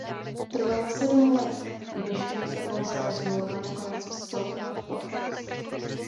Trvalo sedm let, než Lisabonská smlouva nakonec vstoupila v platnost.